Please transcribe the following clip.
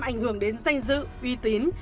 ảnh hưởng đến danh dự uy tín